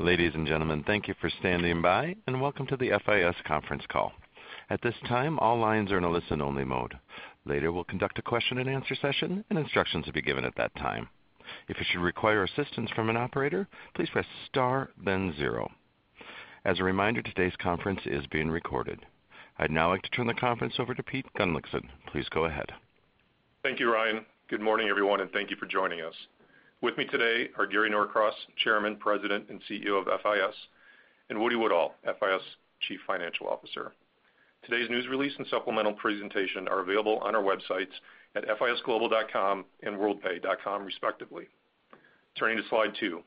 Ladies and gentlemen, thank you for standing by, and welcome to the FIS conference call. At this time, all lines are in a listen-only mode. Later, we'll conduct a question and answer session, and instructions will be given at that time. If you should require assistance from an operator, please press star then zero. As a reminder, today's conference is being recorded. I'd now like to turn the conference over to Pete Gunnlaugsson. Please go ahead. Thank you, Ryan. Good morning, everyone, and thank you for joining us. With me today are Gary Norcross, chairman, president, and CEO of FIS, and Woody Woodall, FIS chief financial officer. Today's news release and supplemental presentation are available on our websites at fisglobal.com and worldpay.com respectively. Turning to slide two.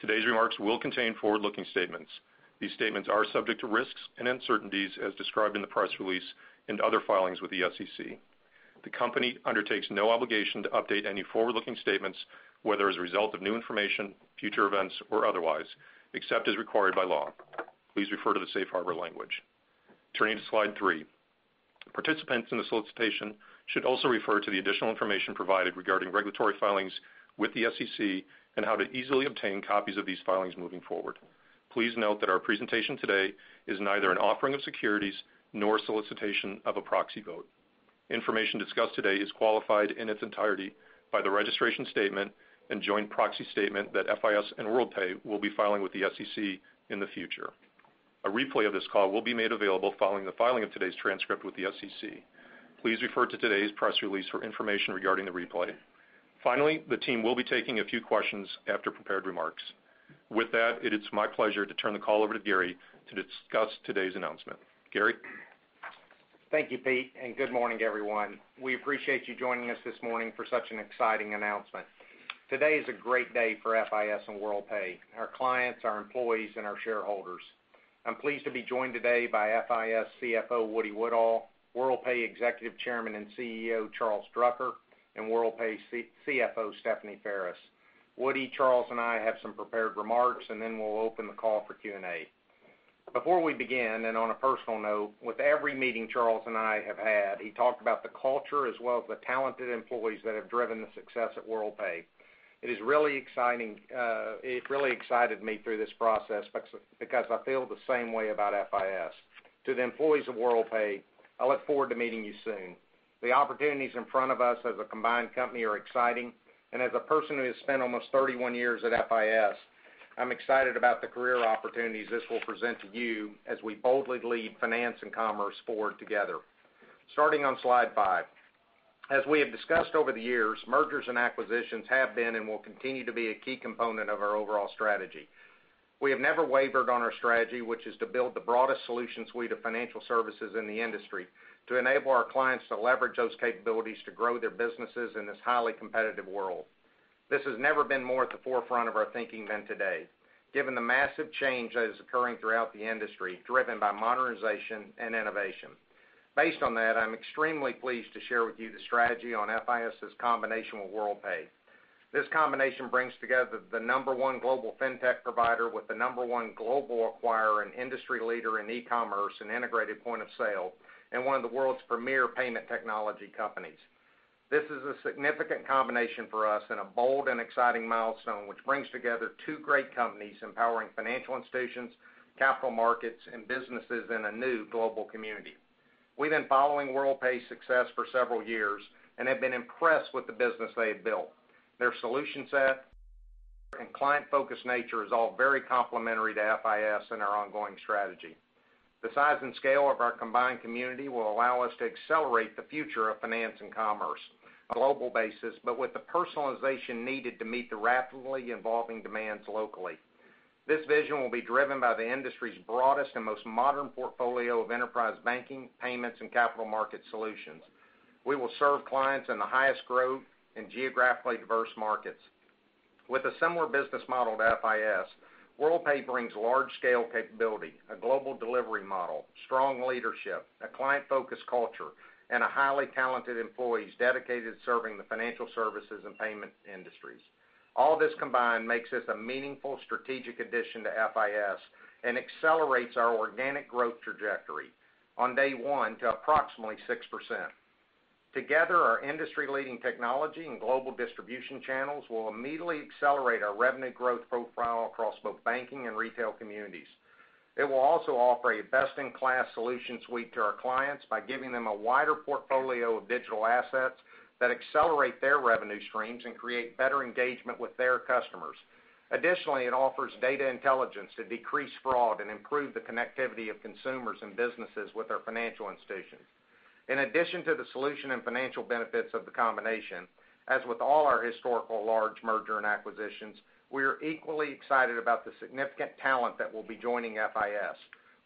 Today's remarks will contain forward-looking statements. These statements are subject to risks and uncertainties as described in the press release and other filings with the SEC. The company undertakes no obligation to update any forward-looking statements, whether as a result of new information, future events, or otherwise, except as required by law. Please refer to the safe harbor language. Turning to slide three. Participants in the solicitation should also refer to the additional information provided regarding regulatory filings with the SEC and how to easily obtain copies of these filings moving forward. Please note that our presentation today is neither an offering of securities nor solicitation of a proxy vote. Information discussed today is qualified in its entirety by the registration statement and joint proxy statement that FIS and Worldpay will be filing with the SEC in the future. A replay of this call will be made available following the filing of today's transcript with the SEC. Please refer to today's press release for information regarding the replay. Finally, the team will be taking a few questions after prepared remarks. With that, it is my pleasure to turn the call over to Gary to discuss today's announcement. Gary? Thank you, Pete, and good morning, everyone. We appreciate you joining us this morning for such an exciting announcement. Today is a great day for FIS and Worldpay, our clients, our employees, and our shareholders. I'm pleased to be joined today by FIS CFO Woody Woodall, Worldpay Executive Chairman and CEO Charles Drucker, and Worldpay CFO Stephanie Ferris. Woody, Charles, and I have some prepared remarks, and then we'll open the call for Q&A. Before we begin, and on a personal note, with every meeting Charles and I have had, he talked about the culture as well as the talented employees that have driven the success at Worldpay. It really excited me through this process because I feel the same way about FIS. To the employees of Worldpay, I look forward to meeting you soon. The opportunities in front of us as a combined company are exciting, as a person who has spent almost 31 years at FIS, I'm excited about the career opportunities this will present to you as we boldly lead finance and commerce forward together. Starting on slide five. As we have discussed over the years, mergers and acquisitions have been and will continue to be a key component of our overall strategy. We have never wavered on our strategy, which is to build the broadest solution suite of financial services in the industry to enable our clients to leverage those capabilities to grow their businesses in this highly competitive world. This has never been more at the forefront of our thinking than today, given the massive change that is occurring throughout the industry, driven by modernization and innovation. Based on that, I'm extremely pleased to share with you the strategy on FIS's combination with Worldpay. This combination brings together the number one global fintech provider with the number one global acquirer and industry leader in e-commerce and integrated point-of-sale, and one of the world's premier payment technology companies. This is a significant combination for us and a bold and exciting milestone which brings together two great companies empowering financial institutions, capital markets, and businesses in a new global community. We've been following Worldpay's success for several years and have been impressed with the business they have built. Their solution set and client-focused nature is all very complementary to FIS and our ongoing strategy. The size and scale of our combined community will allow us to accelerate the future of finance and commerce on a global basis, but with the personalization needed to meet the rapidly evolving demands locally. This vision will be driven by the industry's broadest and most modern portfolio of enterprise banking, payments, and capital market solutions. We will serve clients in the highest growth and geographically diverse markets. With a similar business model to FIS, Worldpay brings large-scale capability, a global delivery model, strong leadership, a client-focused culture, and a highly talented employees dedicated to serving the financial services and payment industries. All this combined makes this a meaningful strategic addition to FIS and accelerates our organic growth trajectory on day one to approximately 6%. Together, our industry-leading technology and global distribution channels will immediately accelerate our revenue growth profile across both banking and retail communities. It will also offer a best-in-class solution suite to our clients by giving them a wider portfolio of digital assets that accelerate their revenue streams and create better engagement with their customers. Additionally, it offers data intelligence to decrease fraud and improve the connectivity of consumers and businesses with their financial institutions. In addition to the solution and financial benefits of the combination, as with all our historical large merger and acquisitions, we are equally excited about the significant talent that will be joining FIS.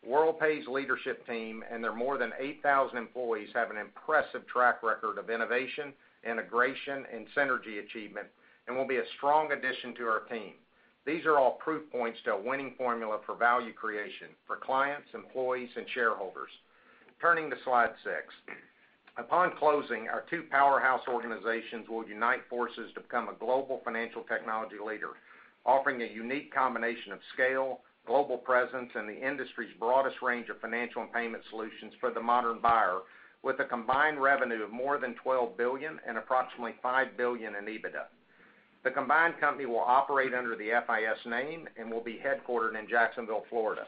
Worldpay's leadership team and their more than 8,000 employees have an impressive track record of innovation, integration, and synergy achievement and will be a strong addition to our team. These are all proof points to a winning formula for value creation for clients, employees, and shareholders. Turning to slide six. Upon closing, our two powerhouse organizations will unite forces to become a global financial technology leader, offering a unique combination of scale, global presence, and the industry's broadest range of financial and payment solutions for the modern buyer, with a combined revenue of more than $12 billion and approximately $5 billion in EBITDA. The combined company will operate under the FIS name and will be headquartered in Jacksonville, Florida.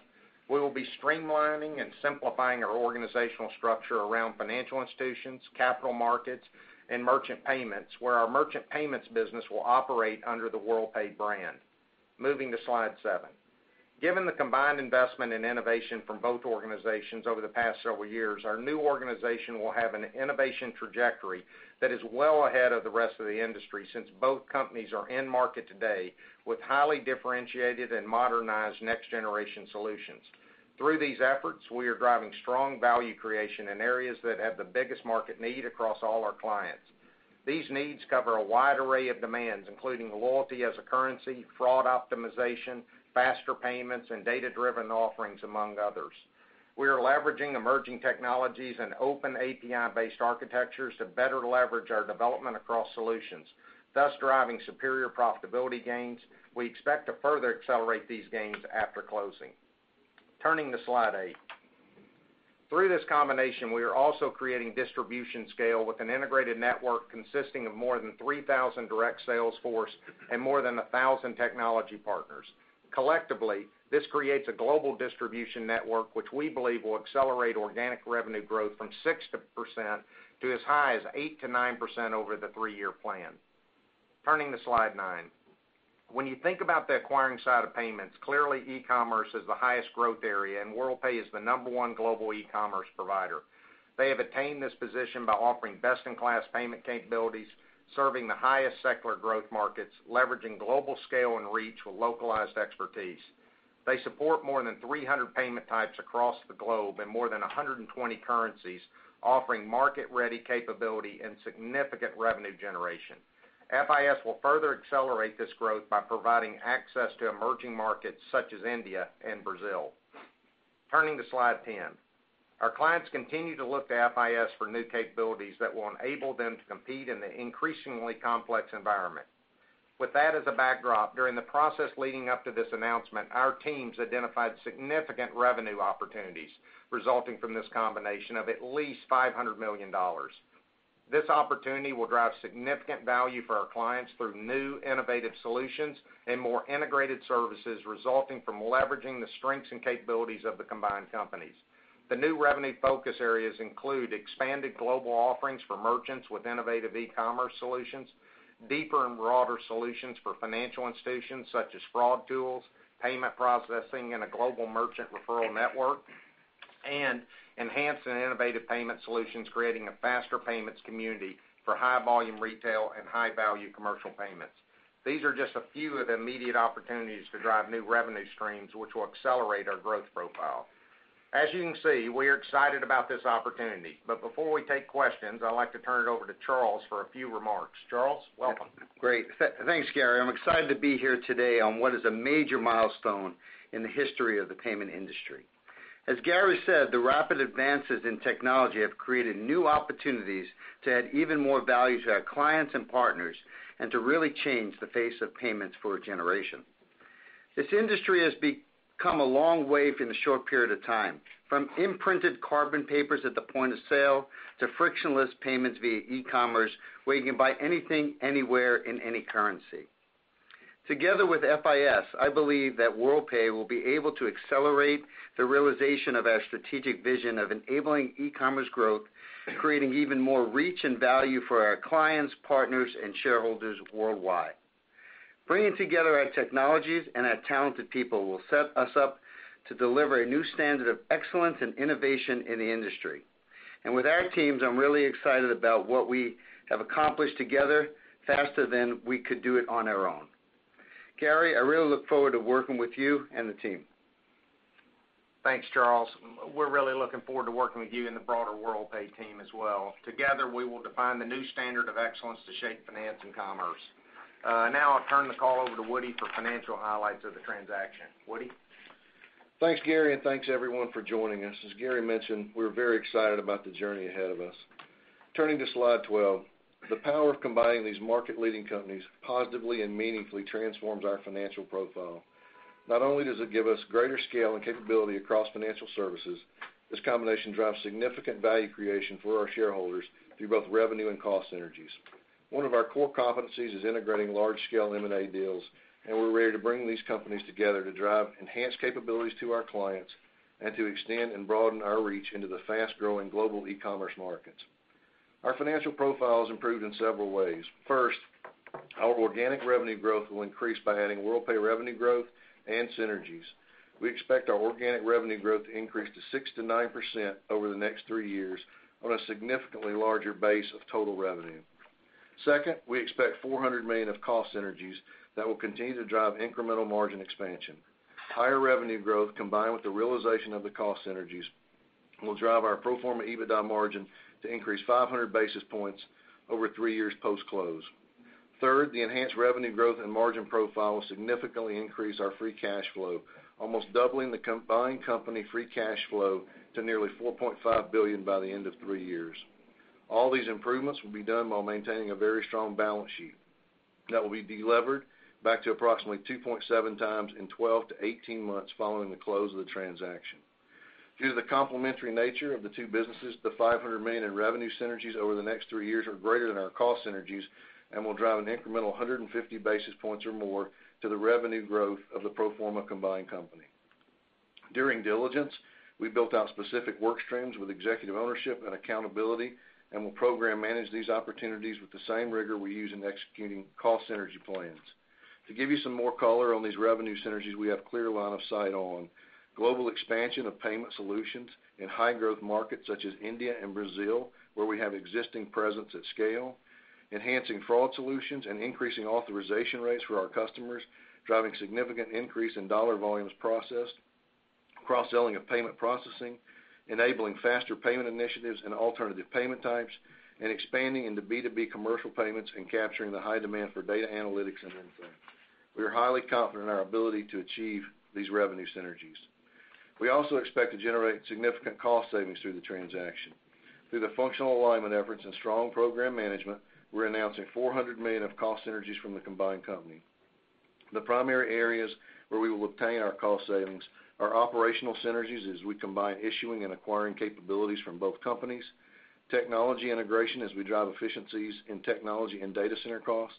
We will be streamlining and simplifying our organizational structure around financial institutions, capital markets, and merchant payments, where our merchant payments business will operate under the Worldpay brand. Moving to slide seven. Given the combined investment in innovation from both organizations over the past several years, our new organization will have an innovation trajectory that is well ahead of the rest of the industry, since both companies are in market today with highly differentiated and modernized next-generation solutions. Through these efforts, we are driving strong value creation in areas that have the biggest market need across all our clients. These needs cover a wide array of demands, including loyalty as a service, fraud optimization, faster payments, and data-driven offerings, among others. We are leveraging emerging technologies and open API-based architectures to better leverage our development across solutions, thus driving superior profitability gains. We expect to further accelerate these gains after closing. Turning to slide eight. Through this combination, we are also creating distribution scale with an integrated network consisting of more than 3,000 direct sales force and more than 1,000 technology partners. Collectively, this creates a global distribution network, which we believe will accelerate organic revenue growth from 6% to as high as 8%-9% over the three-year plan. Turning to slide nine. When you think about the acquiring side of payments, clearly e-commerce is the highest growth area, and Worldpay is the number 1 global e-commerce provider. They have attained this position by offering best-in-class payment capabilities, serving the highest secular growth markets, leveraging global scale and reach with localized expertise. They support more than 300 payment types across the globe in more than 120 currencies, offering market-ready capability and significant revenue generation. FIS will further accelerate this growth by providing access to emerging markets such as India and Brazil. Turning to slide 10. Our clients continue to look to FIS for new capabilities that will enable them to compete in the increasingly complex environment. With that as a backdrop, during the process leading up to this announcement, our teams identified significant revenue opportunities resulting from this combination of at least $500 million. This opportunity will drive significant value for our clients through new innovative solutions and more integrated services resulting from leveraging the strengths and capabilities of the combined companies. The new revenue focus areas include expanded global offerings for merchants with innovative e-commerce solutions, deeper and broader solutions for financial institutions such as fraud tools, payment processing, and a global merchant referral network, and enhanced and innovative payment solutions creating a faster payments community for high-volume retail and high-value commercial payments. These are just a few of the immediate opportunities to drive new revenue streams, which will accelerate our growth profile. As you can see, we are excited about this opportunity. Before we take questions, I'd like to turn it over to Charles for a few remarks. Charles, welcome. Great. Thanks, Gary. I'm excited to be here today on what is a major milestone in the history of the payment industry. As Gary said, the rapid advances in technology have created new opportunities to add even more value to our clients and partners, and to really change the face of payments for a generation. This industry has come a long way from the short period of time, from imprinted carbon papers at the point of sale to frictionless payments via e-commerce, where you can buy anything, anywhere, in any currency. Together with FIS, I believe that Worldpay will be able to accelerate the realization of our strategic vision of enabling e-commerce growth, creating even more reach and value for our clients, partners, and shareholders worldwide. Bringing together our technologies and our talented people will set us up to deliver a new standard of excellence and innovation in the industry. With our teams, I'm really excited about what we have accomplished together faster than we could do it on our own. Gary, I really look forward to working with you and the team. Thanks, Charles. We're really looking forward to working with you and the broader Worldpay team as well. Together, we will define the new standard of excellence to shape finance and commerce. Now I'll turn the call over to Woody for financial highlights of the transaction. Woody? Thanks, Gary, and thanks, everyone, for joining us. As Gary mentioned, we're very excited about the journey ahead of us. Turning to slide 12. The power of combining these market-leading companies positively and meaningfully transforms our financial profile. Not only does it give us greater scale and capability across financial services, this combination drives significant value creation for our shareholders through both revenue and cost synergies. One of our core competencies is integrating large-scale M&A deals, and we're ready to bring these companies together to drive enhanced capabilities to our clients and to extend and broaden our reach into the fast-growing global e-commerce markets. Our financial profile has improved in several ways. First, our organic revenue growth will increase by adding Worldpay revenue growth and synergies. We expect our organic revenue growth to increase to 6%-9% over the next three years on a significantly larger base of total revenue. Second, we expect $400 million of cost synergies that will continue to drive incremental margin expansion. Higher revenue growth, combined with the realization of the cost synergies, will drive our pro forma EBITDA margin to increase 500 basis points over three years post-close. Third, the enhanced revenue growth and margin profile will significantly increase our free cash flow, almost doubling the combined company free cash flow to nearly $4.5 billion by the end of three years. All these improvements will be done while maintaining a very strong balance sheet. That will be delevered back to approximately 2.7 times in 12-18 months following the close of the transaction. Due to the complementary nature of the two businesses, the $500 million in revenue synergies over the next three years are greater than our cost synergies and will drive an incremental 150 basis points or more to the revenue growth of the pro forma combined company. During diligence, we built out specific work streams with executive ownership and accountability, and we'll program manage these opportunities with the same rigor we use in executing cost synergy plans. To give you some more color on these revenue synergies, we have clear line of sight on global expansion of payment solutions in high growth markets such as India and Brazil, where we have existing presence at scale, enhancing fraud solutions and increasing authorization rates for our customers, driving significant increase in dollar volumes processed, cross-selling of payment processing, enabling faster payment initiatives and alternative payment types, and expanding into B2B commercial payments and capturing the high demand for data analytics and insight. We are highly confident in our ability to achieve these revenue synergies. We also expect to generate significant cost savings through the transaction. Through the functional alignment efforts and strong program management, we're announcing $400 million of cost synergies from the combined company. The primary areas where we will obtain our cost savings are operational synergies as we combine issuing and acquiring capabilities from both companies, technology integration as we drive efficiencies in technology and data center costs,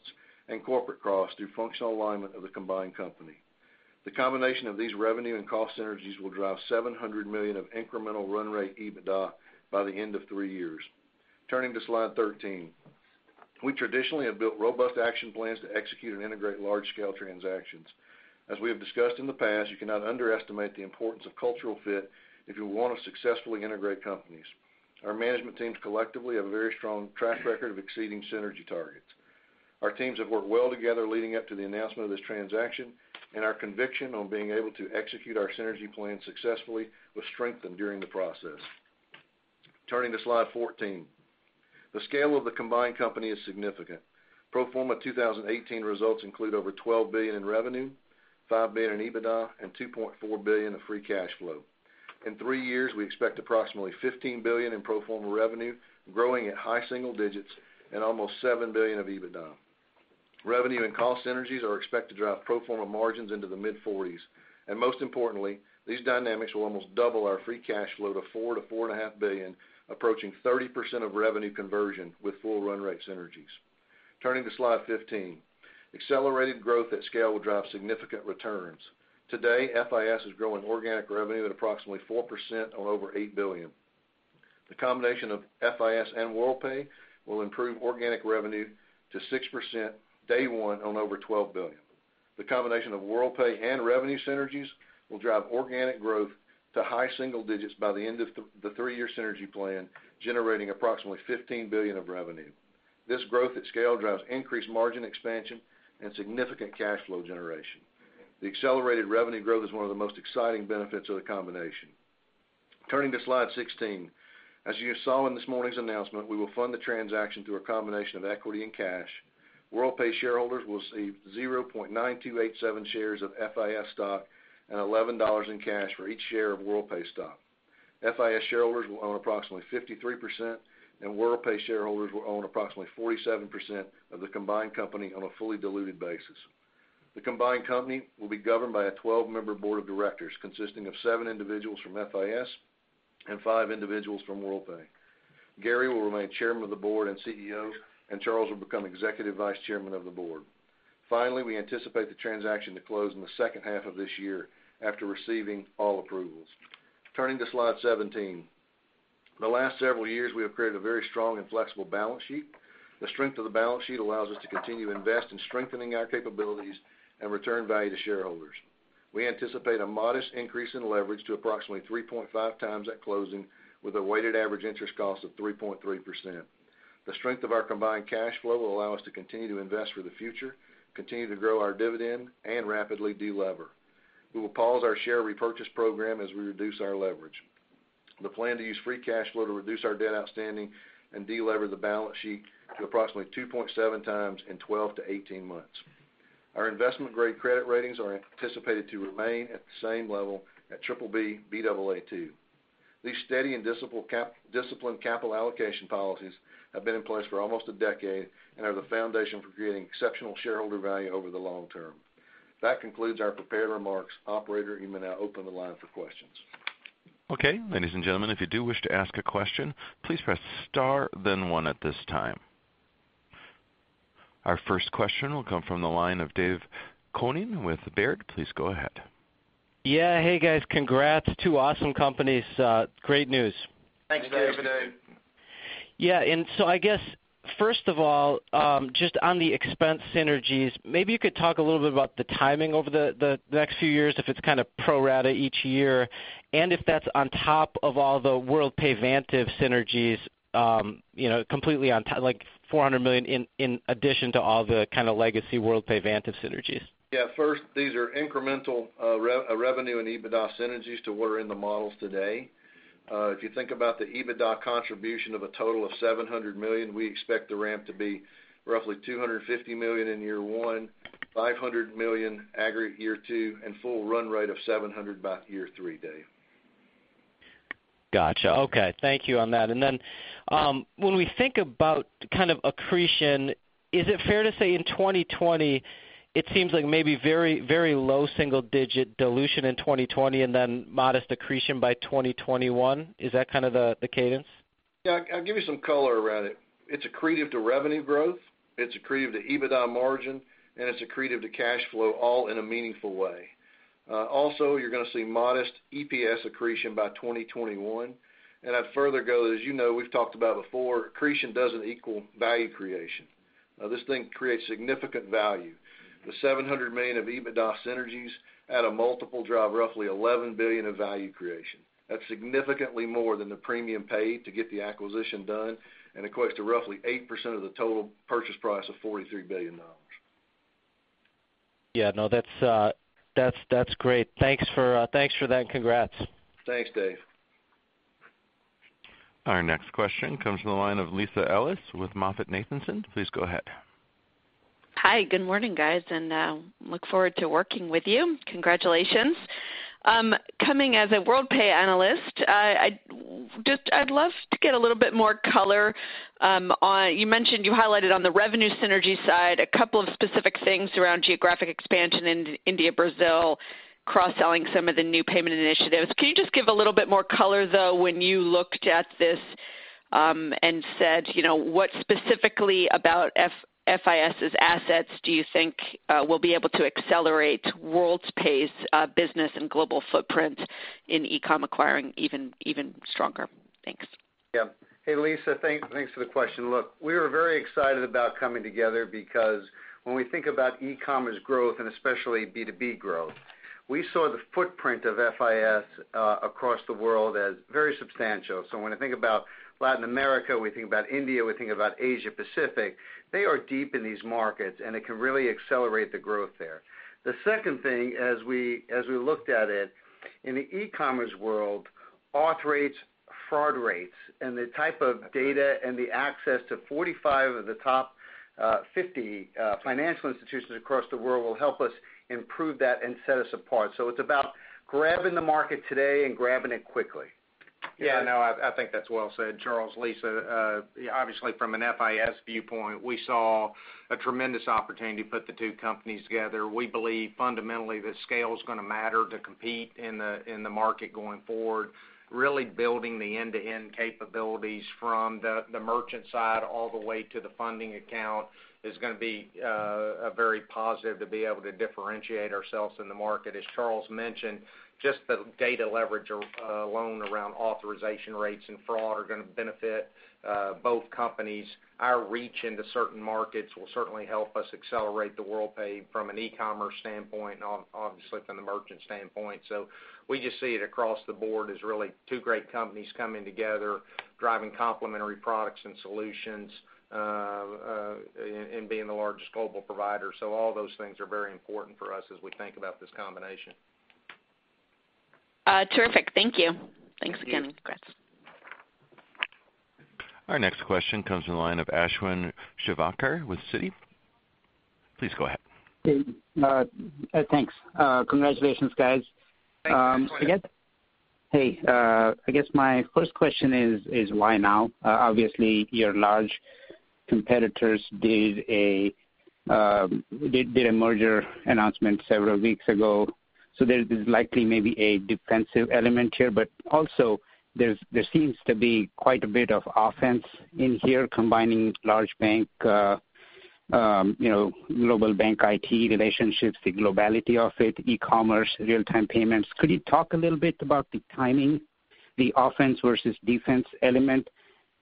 and corporate costs through functional alignment of the combined company. The combination of these revenue and cost synergies will drive $700 million of incremental run rate EBITDA by the end of three years. Turning to slide 13. We traditionally have built robust action plans to execute and integrate large-scale transactions. As we have discussed in the past, you cannot underestimate the importance of cultural fit if you want to successfully integrate companies. Our management teams collectively have a very strong track record of exceeding synergy targets. Our teams have worked well together leading up to the announcement of this transaction, and our conviction on being able to execute our synergy plan successfully was strengthened during the process. Turning to slide 14. The scale of the combined company is significant. Pro forma 2018 results include over $12 billion in revenue, $5 billion in EBITDA, and $2.4 billion of free cash flow. In 3 years, we expect approximately $15 billion in pro forma revenue, growing at high single digits and almost $7 billion of EBITDA. Revenue and cost synergies are expected to drive pro forma margins into the mid-40s, and most importantly, these dynamics will almost double our free cash flow to $4 billion-$4.5 billion, approaching 30% of revenue conversion with full run rate synergies. Turning to slide 15. Accelerated growth at scale will drive significant returns. Today, FIS is growing organic revenue at approximately 4% on over $8 billion. The combination of FIS and Worldpay will improve organic revenue to 6% day one on over $12 billion. The combination of Worldpay and revenue synergies will drive organic growth to high single digits by the end of the 3-year synergy plan, generating approximately $15 billion of revenue. This growth at scale drives increased margin expansion and significant cash flow generation. The accelerated revenue growth is one of the most exciting benefits of the combination. Turning to slide 16. As you saw in this morning's announcement, we will fund the transaction through a combination of equity and cash. Worldpay shareholders will receive 0.9287 shares of FIS stock and $11 in cash for each share of Worldpay stock. FIS shareholders will own approximately 53%, and Worldpay shareholders will own approximately 47% of the combined company on a fully diluted basis. The combined company will be governed by a 12-member Board of Directors, consisting of seven individuals from FIS and five individuals from Worldpay. Gary Norcross will remain Chairman of the Board and CEO, and Charles Drucker will become Executive Vice Chairman of the Board. Finally, we anticipate the transaction to close in the second half of this year after receiving all approvals. Turning to slide 17. The last several years, we have created a very strong and flexible balance sheet. The strength of the balance sheet allows us to continue to invest in strengthening our capabilities and return value to shareholders. We anticipate a modest increase in leverage to approximately 3.5x at closing with a weighted average interest cost of 3.3%. The strength of our combined cash flow will allow us to continue to invest for the future, continue to grow our dividend, and rapidly delever. We will pause our share repurchase program as we reduce our leverage. The plan to use free cash flow to reduce our debt outstanding and delever the balance sheet to approximately 2.7x in 12-18 months. Our investment-grade credit ratings are anticipated to remain at the same level at BBB, Baa2. These steady and disciplined capital allocation policies have been in place for almost a decade and are the foundation for creating exceptional shareholder value over the long term. That concludes our prepared remarks. Operator, you may now open the line for questions. Okay. Ladies and gentlemen, if you do wish to ask a question, please press star then one at this time. Our first question will come from the line of Dave Koning with Baird. Please go ahead. Yeah. Hey, guys. Congrats. Two awesome companies. Great news. Thanks, Dave. Thanks, Dave. Yeah. I guess, first of all, just on the expense synergies, maybe you could talk a little bit about the timing over the next few years, if it's kind of pro rata each year, and if that's on top of all the Worldpay Vantiv synergies, completely on top, like $400 million in addition to all the kind of legacy Worldpay Vantiv synergies. Yeah. First, these are incremental revenue and EBITDA synergies to what are in the models today. If you think about the EBITDA contribution of a total of $700 million, we expect the ramp to be roughly $250 million in year one, $500 million aggregate year two, and full run rate of $700 million by year three, Dave. Gotcha. Okay. Thank you on that. When we think about accretion, is it fair to say in 2020, it seems like maybe very low single digit dilution in 2020, and then modest accretion by 2021? Is that the cadence? Yeah. I'll give you some color around it. It's accretive to revenue growth, it's accretive to EBITDA margin, and it's accretive to cash flow, all in a meaningful way. Also, you're going to see modest EPS accretion by 2021. I'd further go, as you know, we've talked about before, accretion doesn't equal value creation. This thing creates significant value. The $700 million of EBITDA synergies at a multiple drive roughly $11 billion of value creation. That's significantly more than the premium paid to get the acquisition done, and equates to roughly 8% of the total purchase price of $43 billion. Yeah, no, that's great. Thanks for that, and congrats. Thanks, Dave. Our next question comes from the line of Lisa Ellis with MoffettNathanson. Please go ahead. Hi, good morning, guys, and look forward to working with you. Congratulations. Coming as a Worldpay analyst, I'd love to get a little bit more color. You mentioned you highlighted on the revenue synergy side, a couple of specific things around geographic expansion in India, Brazil, cross-selling some of the new payment initiatives. Can you just give a little bit more color, though, when you looked at this and said, what specifically about FIS' assets do you think will be able to accelerate Worldpay's business and global footprint in e-com acquiring even stronger? Thanks. Yeah. Hey, Lisa. Thanks for the question. Look, we were very excited about coming together because when we think about e-commerce growth, and especially B2B growth, we saw the footprint of FIS across the world as very substantial. When I think about Latin America, we think about India, we think about Asia Pacific, they are deep in these markets, and it can really accelerate the growth there. The second thing, as we looked at it, in the e-commerce world, auth rates, fraud rates, and the type of data and the access to 45 of the top 50 financial institutions across the world will help us improve that and set us apart. It's about grabbing the market today and grabbing it quickly. Yeah, no, I think that's well said, Charles. Lisa, obviously from an FIS viewpoint, we saw a tremendous opportunity to put the two companies together. We believe fundamentally that scale's going to matter to compete in the market going forward. Really building the end-to-end capabilities from the merchant side all the way to the funding account is going to be very positive to be able to differentiate ourselves in the market. As Charles mentioned, just the data leverage alone around authorization rates and fraud are going to benefit both companies. Our reach into certain markets will certainly help us accelerate Worldpay from an e-commerce standpoint and obviously from the merchant standpoint. We just see it across the board as really two great companies coming together, driving complementary products and solutions, and being the largest global provider. All those things are very important for us as we think about this combination. Terrific. Thank you. Thanks again. Congrats. Our next question comes from the line of Ashwin Shirvaikar with Citi. Please go ahead. Hey. Thanks. Congratulations, guys. Thanks. Thanks for having me. Hey. I guess my first question is, why now? Obviously, your large competitors did a merger announcement several weeks ago, so there's likely maybe a defensive element here, but also there seems to be quite a bit of offense in here combining large bank, global bank IT relationships, the globality of it, e-commerce, real-time payments. Could you talk a little bit about the timing, the offense versus defense element,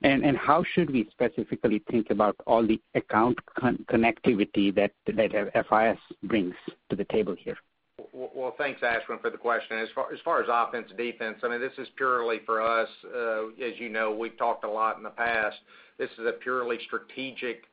and how should we specifically think about all the account connectivity that FIS brings to the table here? Thanks, Ashwin, for the question. As far as offense, defense, this is purely for us. As you know, we've talked a lot in the past, this is a purely strategic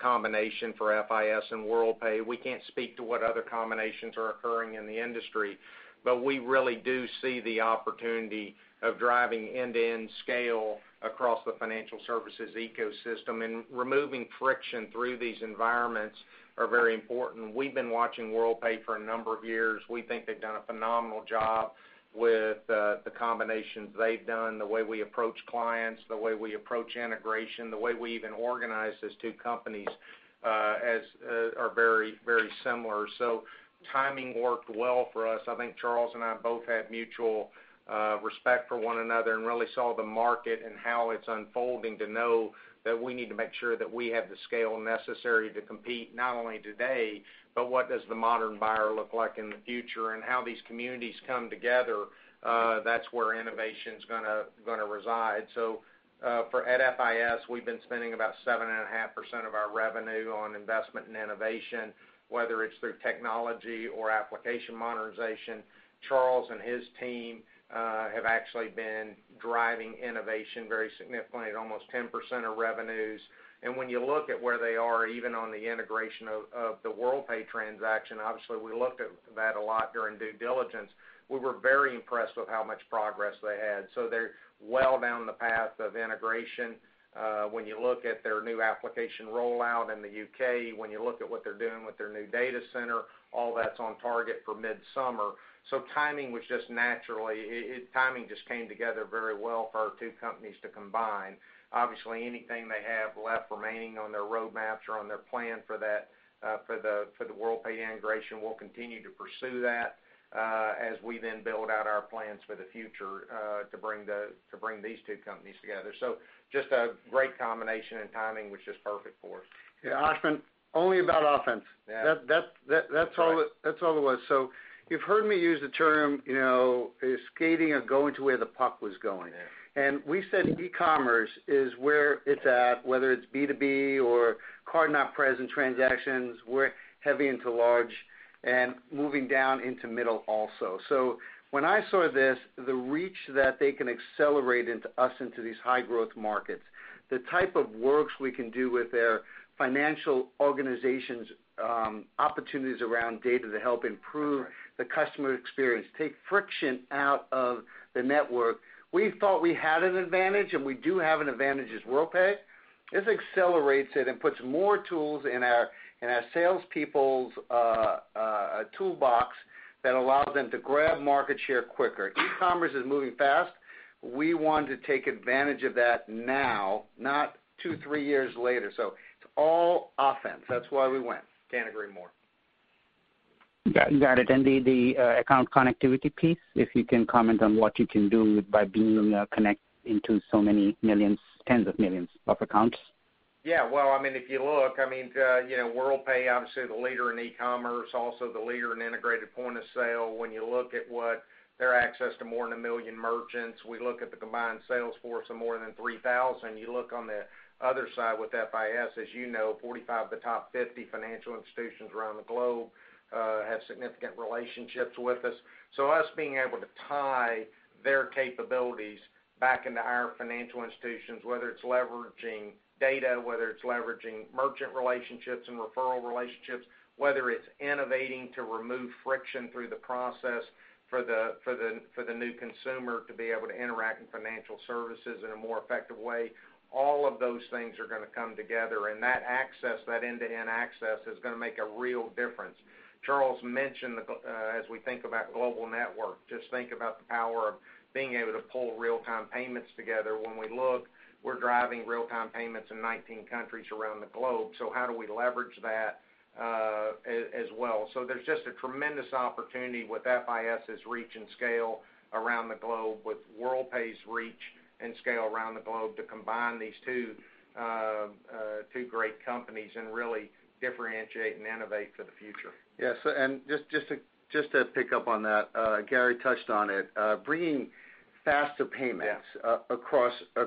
combination for FIS and Worldpay. We can't speak to what other combinations are occurring in the industry, but we really do see the opportunity of driving end-to-end scale across the financial services ecosystem, and removing friction through these environments are very important. We've been watching Worldpay for a number of years. We think they've done a phenomenal job with the combinations they've done, the way we approach clients, the way we approach integration, the way we even organize these two companies are very similar. Timing worked well for us. I think Charles and I both had mutual respect for one another and really saw the market and how it's unfolding to know that we need to make sure that we have the scale necessary to compete, not only today, but what does the modern buyer look like in the future and how these communities come together, that's where innovation's going to reside. At FIS, we've been spending about 7.5% of our revenue on investment and innovation, whether it's through technology or application modernization. Charles and his team have actually been driving innovation very significantly at almost 10% of revenues. When you look at where they are, even on the integration of the Worldpay transaction, obviously we looked at that a lot during due diligence, we were very impressed with how much progress they had. They're well down the path of integration. When you look at their new application rollout in the U.K., when you look at what they're doing with their new data center, all that's on target for midsummer. Timing just came together very well for our two companies to combine. Obviously, anything they have left remaining on their roadmaps or on their plan for the Worldpay integration, we'll continue to pursue that as we then build out our plans for the future to bring these two companies together. Just a great combination, timing was just perfect for us. Yeah, Ashwin, only about offense. Yeah. You've heard me use the term skating or going to where the puck was going. Yeah. We said e-commerce is where it's at, whether it's B2B or card-not-present transactions. We're heavy into large and moving down into middle also. When I saw this, the reach that they can accelerate us into these high-growth markets, the type of works we can do with their financial organizations, opportunities around data to help improve- That's right The customer experience, take friction out of the network. We thought we had an advantage, and we do have an advantage as Worldpay. This accelerates it and puts more tools in our salespeople's toolbox that allows them to grab market share quicker. E-commerce is moving fast. We want to take advantage of that now, not two, three years later. It's all offense. That's why we went. Can't agree more. Got it. The account connectivity piece, if you can comment on what you can do by being connected into so many millions, tens of millions of accounts. Well, if you look, Worldpay obviously the leader in e-commerce, also the leader in integrated point-of-sale. When you look at what their access to more than a million merchants, we look at the combined sales force of more than 3,000. You look on the other side with FIS, as you know, 45 of the top 50 financial institutions around the globe have significant relationships with us. Us being able to tie their capabilities back into our financial institutions, whether it's leveraging data, whether it's leveraging merchant relationships and referral relationships, whether it's innovating to remove friction through the process for the new consumer to be able to interact with financial services in a more effective way, all of those things are going to come together. That end-to-end access is going to make a real difference. Charles mentioned, as we think about global network, just think about the power of being able to pull real-time payments together. When we look, we're driving real-time payments in 19 countries around the globe. How do we leverage that as well? There's just a tremendous opportunity with FIS's reach and scale around the globe with Worldpay's reach and scale around the globe to combine these two great companies and really differentiate and innovate for the future. Yes. Just to pick up on that, Gary touched on it. Bringing faster payments. Yeah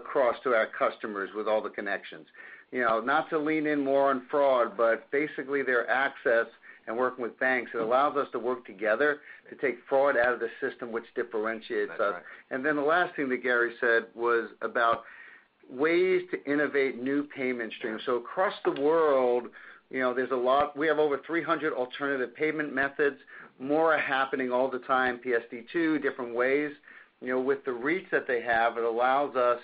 across to our customers with all the connections. Not to lean in more on fraud, but basically their access and working with banks, it allows us to work together to take fraud out of the system, which differentiates us. That's right. The last thing that Gary said was about ways to innovate new payment streams. Across the world, we have over 300 alternative payment methods, more are happening all the time, PSD2, different ways. With the reach that they have, it allows us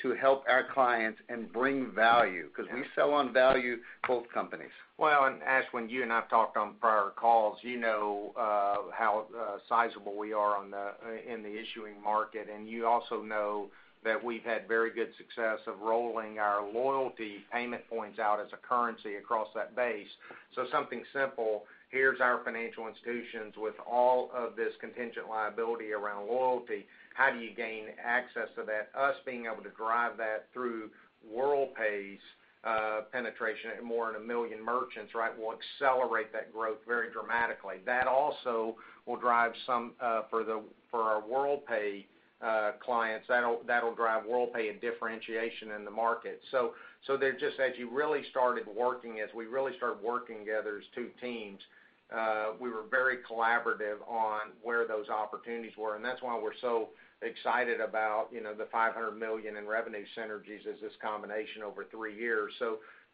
to help our clients and bring value because we sell on value, both companies. Ashwin, you and I've talked on prior calls. You know how sizable we are in the issuing market, and you also know that we've had very good success of rolling our loyalty payment points out as a currency across that base. Something simple, here's our financial institutions with all of this contingent liability around loyalty. How do you gain access to that? Us being able to drive that through Worldpay's penetration at more than 1 million merchants, right, will accelerate that growth very dramatically. That also will drive some, for our Worldpay clients, that'll drive Worldpay a differentiation in the market. They're just as you really started working, as we really started working together as two teams, we were very collaborative on where those opportunities were, and that's why we're so excited about the $500 million in revenue synergies as this combination over three years.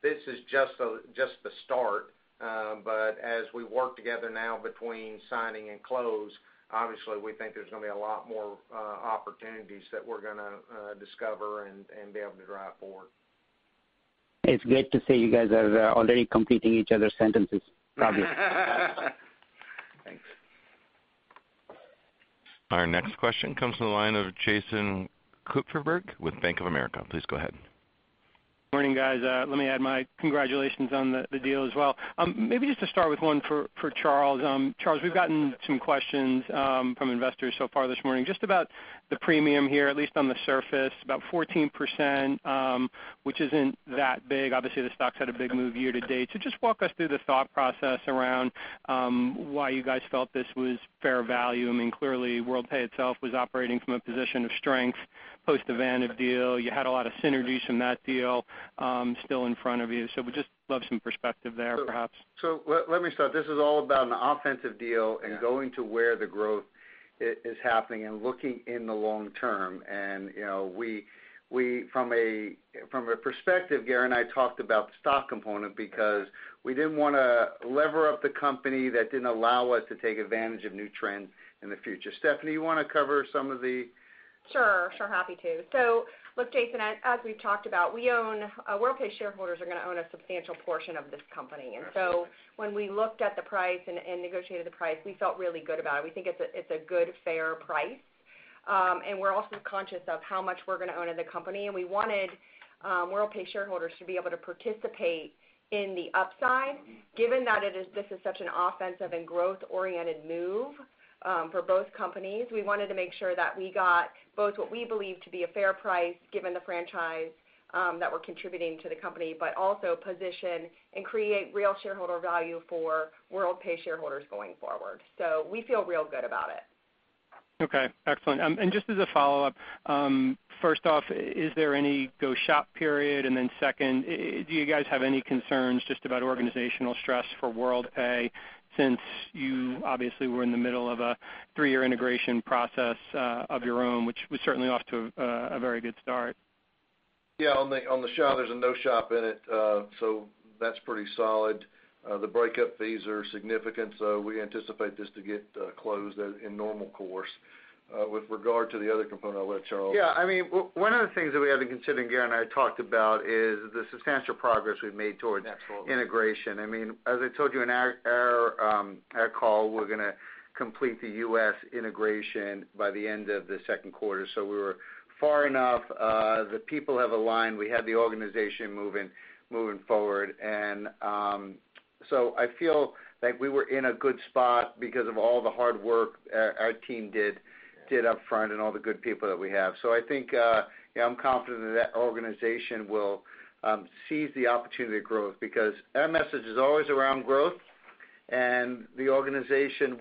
This is just the start. As we work together now between signing and close, obviously, we think there's going to be a lot more opportunities that we're going to discover and be able to drive forward. It's great to see you guys are already completing each other's sentences. Lovely. Thanks. Our next question comes from the line of Jason Kupferberg with Bank of America. Please go ahead. Morning, guys. Let me add my congratulations on the deal as well. Maybe just to start with one for Charles. Charles, we've gotten some questions from investors so far this morning, just about the premium here, at least on the surface, about 14%, which isn't that big. Obviously, the stock's had a big move year to date. Just walk us through the thought process around why you guys felt this was fair value. Clearly, Worldpay itself was operating from a position of strength post the Vantiv deal. You had a lot of synergies from that deal still in front of you. We'd just love some perspective there, perhaps. Let me start. This is all about an offensive deal- Yeah Going to where the growth is happening and looking in the long term. From a perspective, Gary and I talked about the stock component because we didn't want to lever up the company that didn't allow us to take advantage of new trends in the future. Stephanie, you want to cover some of the- Sure. Happy to. Look, Jason, as we've talked about, Worldpay shareholders are going to own a substantial portion of this company. Absolutely. When we looked at the price and negotiated the price, we felt really good about it. We think it's a good, fair price. We're also conscious of how much we're going to own in the company, and we wanted Worldpay shareholders to be able to participate in the upside. Given that this is such an offensive and growth-oriented move for both companies, we wanted to make sure that we got both what we believe to be a fair price given the franchise that we're contributing to the company, but also position and create real shareholder value for Worldpay shareholders going forward. We feel real good about it. Okay, excellent. Just as a follow-up, first off, is there any go-shop period? Second, do you guys have any concerns just about organizational stress for Worldpay since you obviously were in the middle of a three-year integration process of your own, which was certainly off to a very good start? On the shop, there's a no shop in it, so that's pretty solid. The breakup fees are significant, so we anticipate this to get closed in normal course. With regard to the other component, I'll let Charles One of the things that we had been considering, Gary and I talked about. Absolutely integration. As I told you in our call, we're going to complete the U.S. integration by the end of the second quarter. We were far enough. The people have aligned. We have the organization moving forward. I feel like we were in a good spot because of all the hard work our team did up front and all the good people that we have. I think, yeah, I'm confident that that organization will seize the opportunity to growth because our message is always around growth and the organization.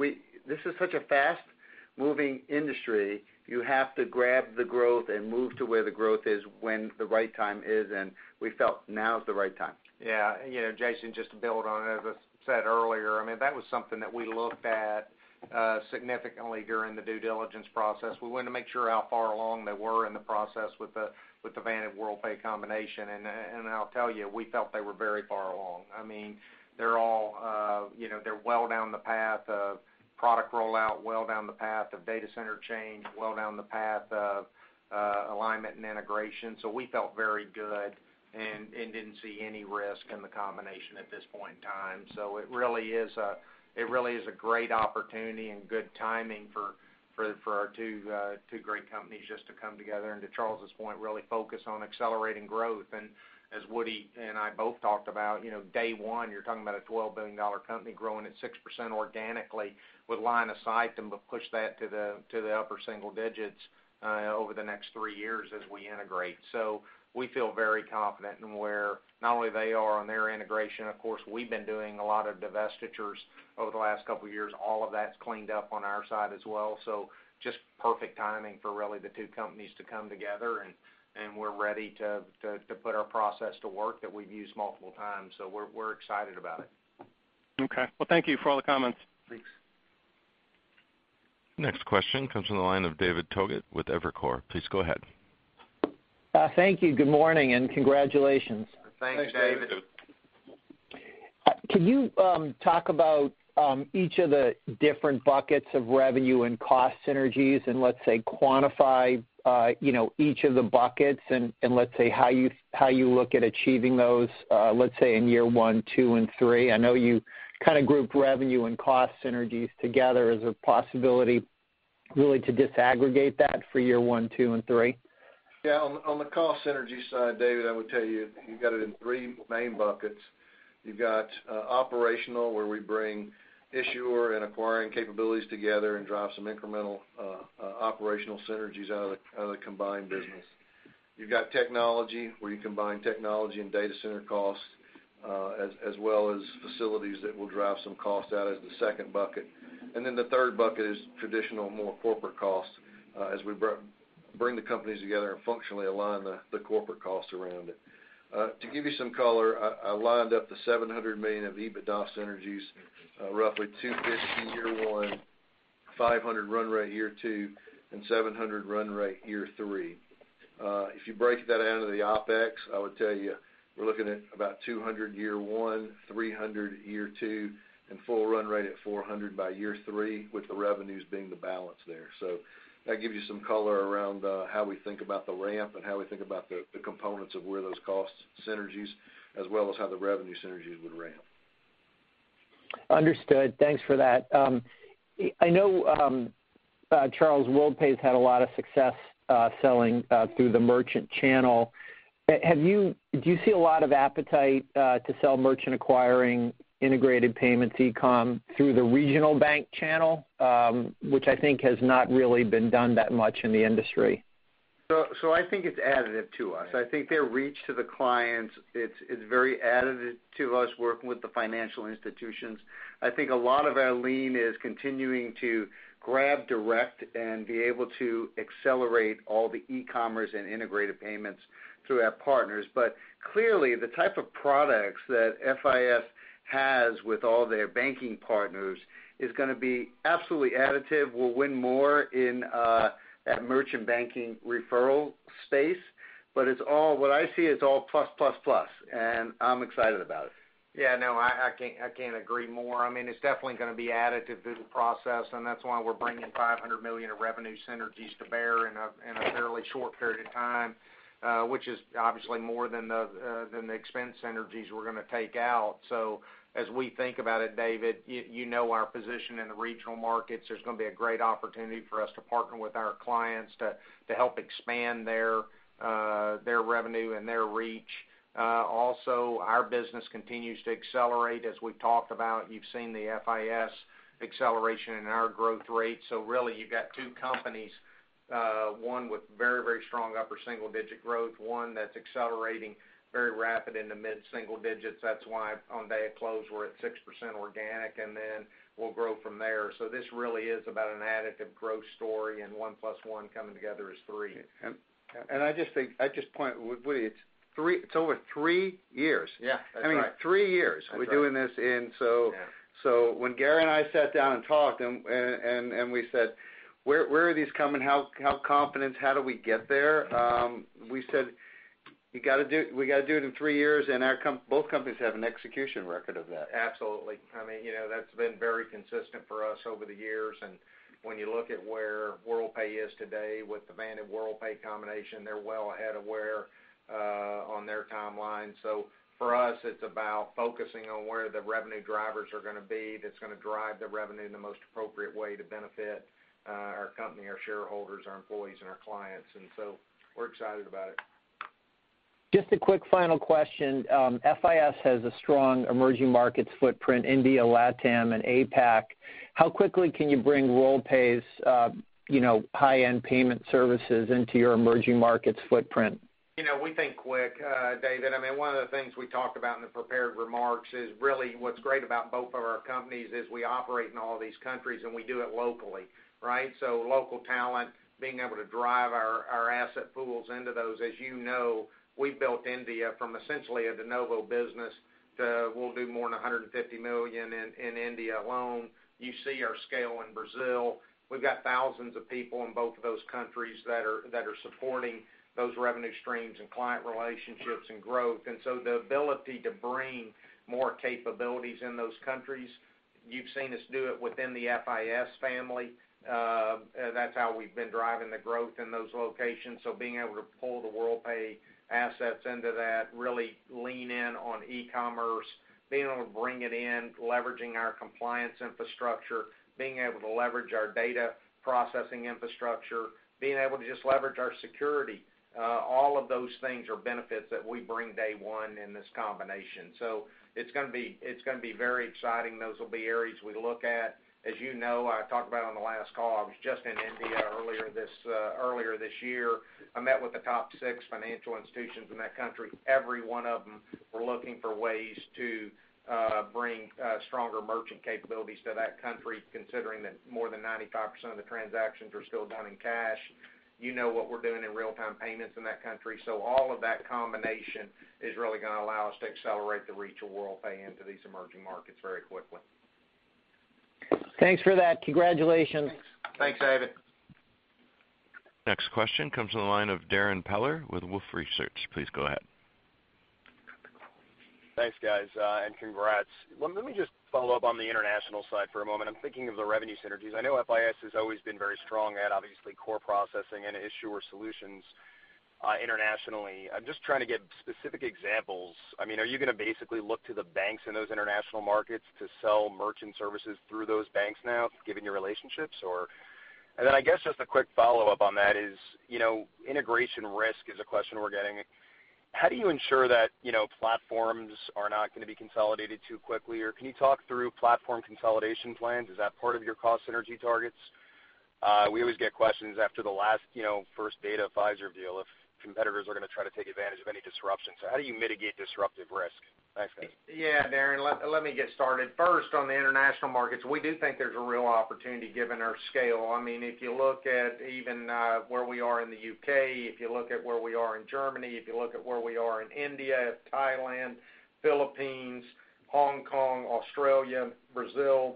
This is such a fast-moving industry. You have to grab the growth and move to where the growth is when the right time is, and we felt now is the right time. Yeah. Jason, just to build on it, as I said earlier, that was something that we looked at significantly during the due diligence process. We wanted to make sure how far along they were in the process with the Vantiv, Worldpay combination. I'll tell you, we felt they were very far along. They're well down the path of product rollout, well down the path of data center change, well down the path of alignment and integration. We felt very good and didn't see any risk in the combination at this point in time. It really is a great opportunity and good timing for our two great companies just to come together and to Charles's point, really focus on accelerating growth. As Woody and I both talked about, day one, you're talking about a $12 billion company growing at 6% organically with line of sight and we'll push that to the upper single digits over the next three years as we integrate. We feel very confident in where not only they are on their integration. Of course, we've been doing a lot of divestitures over the last couple of years. All of that's cleaned up on our side as well. Just perfect timing for really the two companies to come together, and we're ready to put our process to work that we've used multiple times. We're excited about it. Okay. Well, thank you for all the comments. Thanks. Next question comes from the line of David Togut with Evercore. Please go ahead. Thank you. Good morning and congratulations. Thanks, David. Thanks, David. Can you talk about each of the different buckets of revenue and cost synergies and let's say quantify each of the buckets and let's say how you look at achieving those let's say in year one, two, and three? I know you kind of grouped revenue and cost synergies together. Is there a possibility really to disaggregate that for year one, two, and three? Yeah. On the cost synergy side, David, I would tell you've got it in three main buckets. You've got operational, where we bring issuer and acquiring capabilities together and drive some incremental operational synergies out of the combined business. You've got technology, where you combine technology and data center costs, as well as facilities that will drive some costs out as the second bucket. The third bucket is traditional, more corporate costs, as we bring the companies together and functionally align the corporate costs around it. To give you some color, I lined up the $700 million of EBITDA synergies, roughly $250 year one, $500 run rate year two, and $700 run rate year three. If you break that out of the OpEx, I would tell you we're looking at about $200 year one, $300 year two, and full run rate at $400 by year three, with the revenues being the balance there. That gives you some color around how we think about the ramp and how we think about the components of where those cost synergies as well as how the revenue synergies would ramp. Understood. Thanks for that. I know, Charles, Worldpay's had a lot of success selling through the merchant channel. Do you see a lot of appetite to sell merchant acquiring integrated payments e-com through the regional bank channel, which I think has not really been done that much in the industry? I think it's additive to us. I think their reach to the clients, it's very additive to us working with the financial institutions. I think a lot of our lean is continuing to grab direct and be able to accelerate all the e-commerce and integrated payments through our partners. Clearly, the type of products that FIS has with all their banking partners is going to be absolutely additive. We'll win more in that merchant banking referral space. What I see it's all plus, plus, and I'm excited about it. Yeah, no, I can't agree more. It's definitely going to be additive to the process, and that's why we're bringing $500 million of revenue synergies to bear in a fairly short period of time, which is obviously more than the expense synergies we're going to take out. As we think about it, David, you know our position in the regional markets. There's going to be a great opportunity for us to partner with our clients to help expand their revenue and their reach. Also, our business continues to accelerate. As we've talked about, you've seen the FIS acceleration in our growth rate. Really, you've got two companies, one with very, very strong upper single-digit growth, one that's accelerating very rapid in the mid-single digits. That's why on day of close, we're at 6% organic, and then- We'll grow from there. This really is about an additive growth story and one plus one coming together as three. I just think, I just point with Woody, it's over three years. Yeah, that's right. I mean, three years. That's right. We're doing this in. Yeah When Gary and I sat down and talked, we said, "Where are these coming? How confident? How do we get there?" We said, "We got to do it in three years," both companies have an execution record of that. Absolutely. That's been very consistent for us over the years, when you look at where Worldpay is today with the Vantiv Worldpay combination, they're well ahead of where on their timeline. For us, it's about focusing on where the revenue drivers are going to be, that's going to drive the revenue in the most appropriate way to benefit our company, our shareholders, our employees, and our clients. We're excited about it. Just a quick final question. FIS has a strong emerging markets footprint, India, LatAm and APAC. How quickly can you bring Worldpay's high-end payment services into your emerging markets footprint? We think quick, David. One of the things we talked about in the prepared remarks is really what's great about both of our companies is we operate in all these countries, we do it locally, right? Local talent, being able to drive our asset pools into those. As you know, we've built India from essentially a de novo business to we'll do more than $150 million in India alone. You see our scale in Brazil. We've got thousands of people in both of those countries that are supporting those revenue streams and client relationships and growth. The ability to bring more capabilities in those countries, you've seen us do it within the FIS family. That's how we've been driving the growth in those locations. Being able to pull the Worldpay assets into that, really lean in on e-commerce, being able to bring it in, leveraging our compliance infrastructure, being able to leverage our data processing infrastructure, being able to just leverage our security. All of those things are benefits that we bring day one in this combination. It's going to be very exciting. Those will be areas we look at. As you know, I talked about on the last call, I was just in India earlier this year. I met with the top six financial institutions in that country. Every one of them were looking for ways to bring stronger merchant capabilities to that country, considering that more than 95% of the transactions are still done in cash. You know what we're doing in real-time payments in that country. All of that combination is really going to allow us to accelerate the reach of Worldpay into these emerging markets very quickly. Thanks for that. Congratulations. Thanks. Thanks, David. Next question comes from the line of Darrin Peller with Wolfe Research. Please go ahead. Thanks, guys, and congrats. Let me just follow up on the international side for a moment. I'm thinking of the revenue synergies. I know FIS has always been very strong at, obviously, core processing and issuer solutions internationally. I'm just trying to get specific examples. Are you going to basically look to the banks in those international markets to sell merchant services through those banks now, given your relationships? I guess just a quick follow-up on that is, integration risk is a question we're getting. How do you ensure that platforms are not going to be consolidated too quickly? Or can you talk through platform consolidation plans? Is that part of your cost synergy targets? We always get questions after the last First Data, Fiserv deal if competitors are going to try to take advantage of any disruption. How do you mitigate disruptive risk? Thanks, guys. Yeah, Darrin, let me get started. First, on the international markets, we do think there's a real opportunity given our scale. If you look at even where we are in the U.K., if you look at where we are in Germany, if you look at where we are in India, Thailand, Philippines, Hong Kong, Australia, Brazil,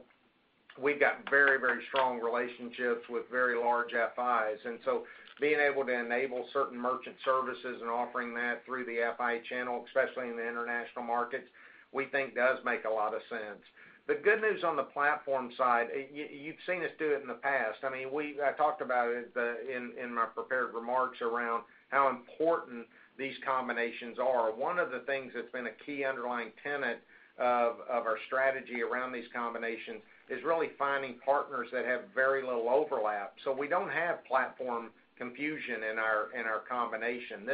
we've got very strong relationships with very large FIs. Being able to enable certain merchant services and offering that through the FI channel, especially in the international markets, we think does make a lot of sense. The good news on the platform side, you've seen us do it in the past. I talked about it in my prepared remarks around how important these combinations are. One of the things that's been a key underlying tenet of our strategy around these combinations is really finding partners that have very little overlap. We don't have platform confusion in our combination.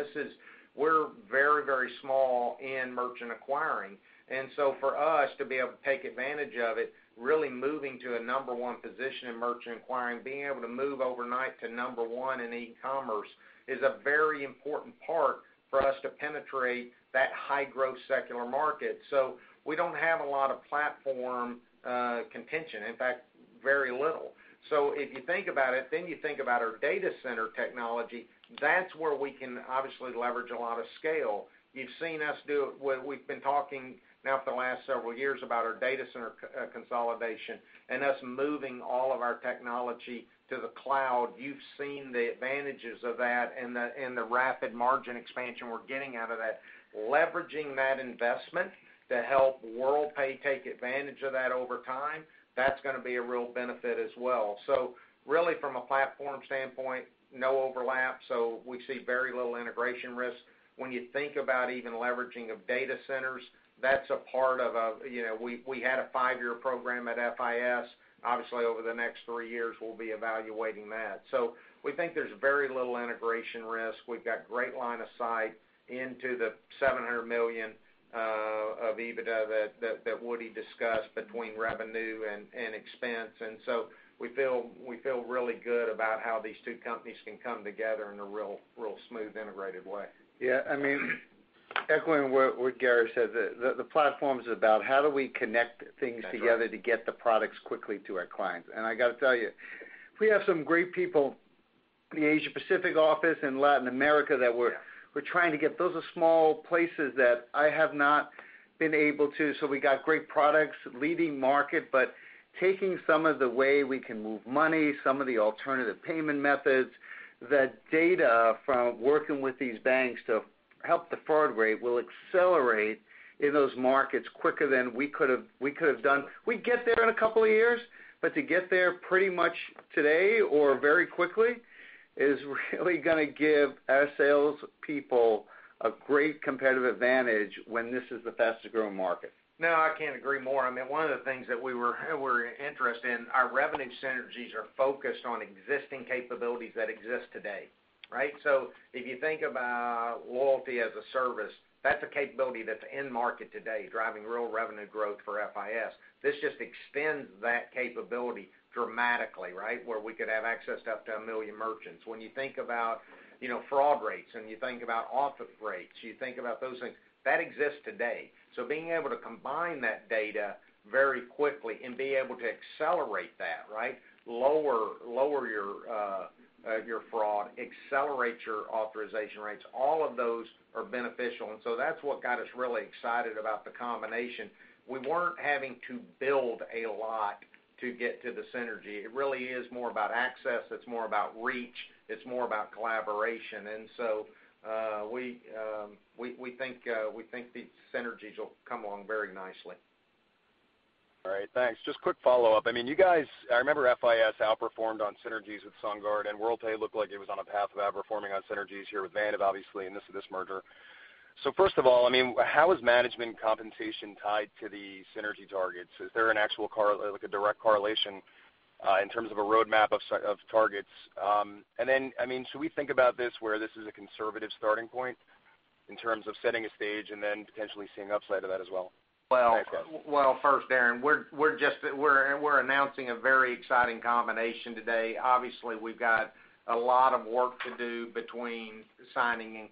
We're very small in merchant acquiring. For us to be able to take advantage of it, really moving to a number one position in merchant acquiring, being able to move overnight to number one in e-commerce is a very important part for us to penetrate that high-growth secular market. We don't have a lot of platform contention. In fact, very little. If you think about it, you think about our data center technology, that's where we can obviously leverage a lot of scale. You've seen us do it, we've been talking now for the last several years about our data center consolidation and us moving all of our technology to the cloud. You've seen the advantages of that and the rapid margin expansion we're getting out of that. Leveraging that investment to help Worldpay take advantage of that over time, that's going to be a real benefit as well. Really from a platform standpoint, no overlap. We see very little integration risk. When you think about even leveraging of data centers, we had a five-year program at FIS. Obviously, over the next three years, we'll be evaluating that. We think there's very little integration risk. We've got great line of sight into the $700 million of EBITDA that Woody discussed between revenue and expense, we feel really good about how these two companies can come together in a real smooth, integrated way. Yeah, I mean Echoing what Gary said, the platform is about how do we connect things together. That's right to get the products quickly to our clients. I got to tell you, we have some great people in the Asia Pacific office and Latin America that we're Yeah trying to get. Those are small places that I have not been able to. We got great products, leading market, but taking some of the way we can move money, some of the alternative payment methods, the data from working with these banks to help the fraud rate will accelerate in those markets quicker than we could've done. We'd get there in a couple of years, but to get there pretty much today or very quickly is really going to give our salespeople a great competitive advantage when this is the fastest-growing market. No, I can't agree more. One of the things that we were interested in, our revenue synergies are focused on existing capabilities that exist today. If you think about loyalty as a service, that's a capability that's in market today, driving real revenue growth for FIS. This just extends that capability dramatically, where we could have access to up to a million merchants. When you think about fraud rates, and you think about auth rates, you think about those things, that exists today. Being able to combine that data very quickly and be able to accelerate that, lower your fraud, accelerate your authorization rates, all of those are beneficial. That's what got us really excited about the combination. We weren't having to build a lot to get to the synergy. It really is more about access. It's more about reach. It's more about collaboration. We think the synergies will come along very nicely. All right. Thanks. Just quick follow-up. I remember FIS outperformed on synergies with SunGard, and Worldpay looked like it was on a path of outperforming on synergies here with Vantiv, obviously, and this merger. First of all, how is management compensation tied to the synergy targets? Is there an actual direct correlation, in terms of a roadmap of targets? Then, should we think about this where this is a conservative starting point, in terms of setting a stage and then potentially seeing upside to that as well? Well, first, Darrin, we're announcing a very exciting combination today. Obviously, we've got a lot of work to do between signing and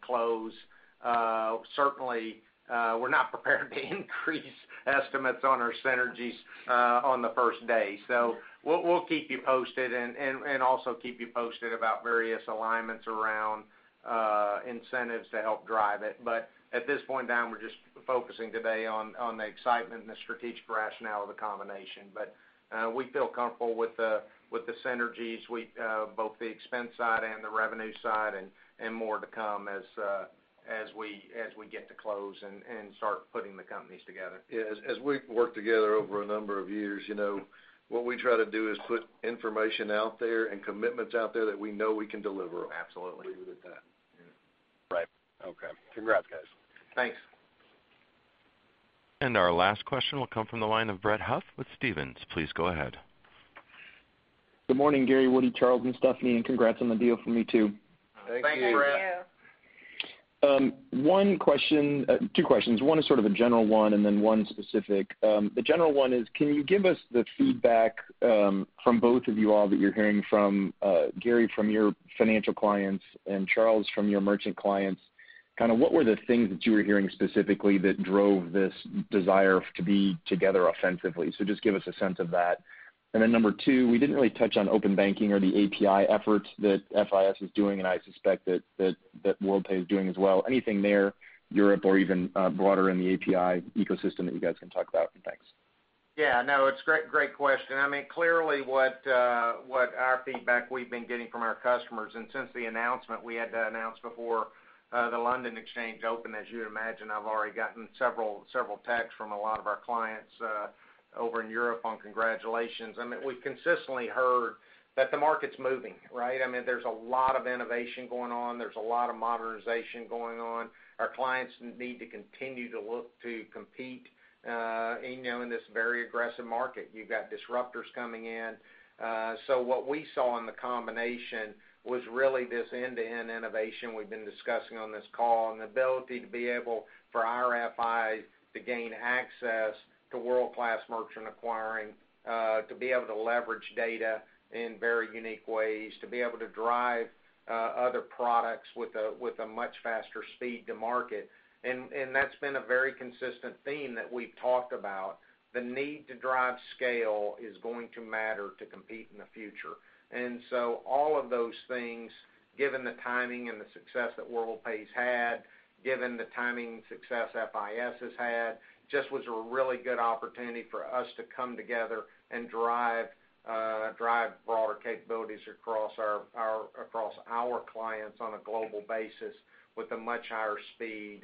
close. Certainly, we're not prepared to increase estimates on our synergies on the first day. We'll keep you posted, and also keep you posted about various alignments around incentives to help drive it. At this point down, we're just focusing today on the excitement and the strategic rationale of the combination. We feel comfortable with the synergies, both the expense side and the revenue side, and more to come as we get to close and start putting the companies together. Yeah. As we've worked together over a number of years, what we try to do is put information out there and commitments out there that we know we can deliver on. Absolutely. Leave it at that. Yeah. Right. Okay. Congrats, guys. Thanks. Our last question will come from the line of Brett Huff with Stephens. Please go ahead. Good morning, Gary, Woody, Charles, and Stephanie, and congrats on the deal from me, too. Thank you. Thanks, Brett. Thank you. Two questions. One is sort of a general one, and then one specific. The general one is, can you give us the feedback from both of you all that you're hearing from, Gary, from your financial clients, and Charles from your merchant clients, what were the things that you were hearing specifically that drove this desire to be together offensively? Just give us a sense of that. Number 2, we didn't really touch on open banking or the API efforts that FIS is doing, and I suspect that Worldpay is doing as well. Anything there, Europe or even broader in the API ecosystem that you guys can talk about? Thanks. Yeah, no, it's a great question. Clearly what our feedback we've been getting from our customers, and since the announcement, we had to announce before the London Exchange opened. As you would imagine, I've already gotten several texts from a lot of our clients over in Europe on congratulations. We've consistently heard that the market's moving. There's a lot of innovation going on. There's a lot of modernization going on. Our clients need to continue to look to compete in this very aggressive market. You've got disruptors coming in. What we saw in the combination was really this end-to-end innovation we've been discussing on this call, and the ability to be able, for our FIs to gain access to world-class merchant acquiring, to be able to leverage data in very unique ways, to be able to drive other products with a much faster speed to market. That's been a very consistent theme that we've talked about. The need to drive scale is going to matter to compete in the future. All of those things, given the timing and the success that Worldpay's had, given the timing and success FIS has had, just was a really good opportunity for us to come together and drive broader capabilities across our clients on a global basis with a much higher speed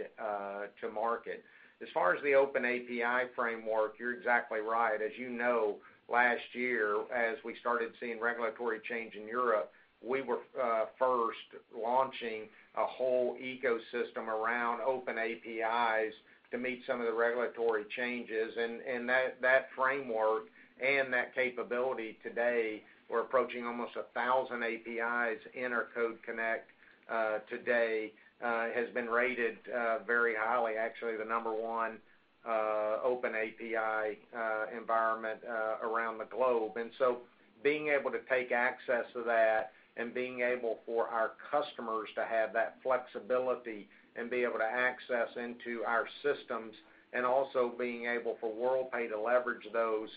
to market. As far as the open API framework, you're exactly right. As you know, last year, as we started seeing regulatory change in Europe, we were first launching a whole ecosystem around open APIs to meet some of the regulatory changes. That framework and that capability today, we're approaching almost 1,000 APIs in our Code Connect today, has been rated very highly, actually the number-one open API environment around the globe. Being able to take access to that and being able for our customers to have that flexibility and be able to access into our systems, and also being able for Worldpay to leverage those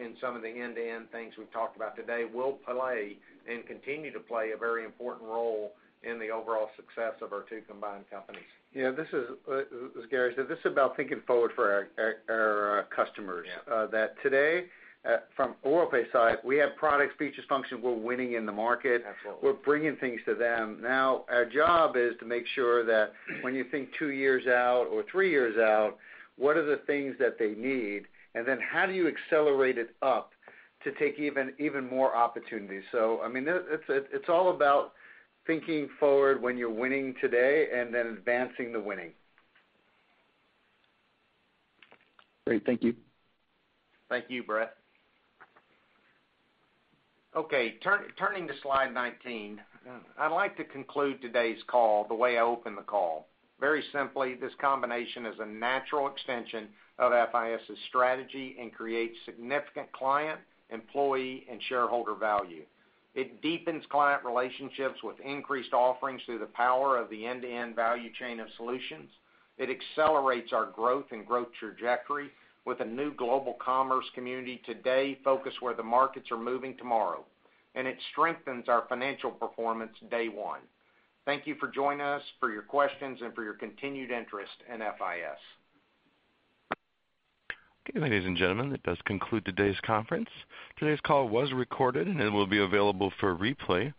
in some of the end-to-end things we've talked about today, will play and continue to play a very important role in the overall success of our two combined companies. Yeah, as Gary said, this is about thinking forward for our customers. Yeah. That today, from a Worldpay side, we have products, features, functions. We're winning in the market. Absolutely. We're bringing things to them. Our job is to make sure that when you think two years out or three years out, what are the things that they need, and then how do you accelerate it up To take even more opportunities. It's all about thinking forward when you're winning today and then advancing the winning. Great. Thank you. Thank you, Brett. Turning to slide 19, I'd like to conclude today's call the way I opened the call. Very simply, this combination is a natural extension of FIS's strategy and creates significant client, employee, and shareholder value. It deepens client relationships with increased offerings through the power of the end-to-end value chain of solutions. It accelerates our growth and growth trajectory with a new global commerce community today, focused where the markets are moving tomorrow, and it strengthens our financial performance day one. Thank you for joining us, for your questions, and for your continued interest in FIS. Okay, ladies and gentlemen, that does conclude today's conference. Today's call was recorded and will be available for replay,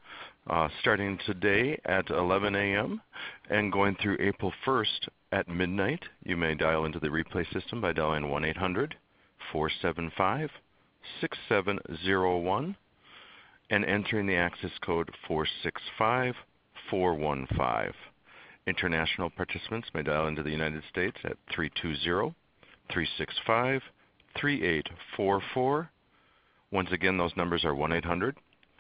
starting today at 11:00 A.M. and going through April 1st at midnight. You may dial into the replay system by dialing 1-800-475-6701 and entering the access code 465415. International participants may dial into the United States at 320-365-3844. Once again, those numbers are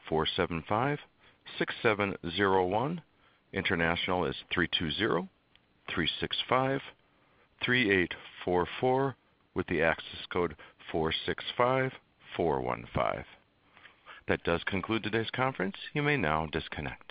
1-800-475-6701. International is 320-365-3844 with the access code 465415. That does conclude today's conference. You may now disconnect